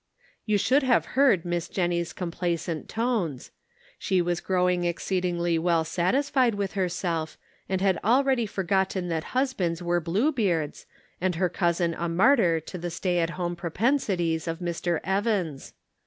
You should have heard Miss Jennie's com placent tones. She was growing exceedingly well satisfied with herself, and had already for gotten that husbands were Blue Beards, and Conflicting Duties. 217 her cousin a martyr to the stay at home pro pensities of Mr. Evans.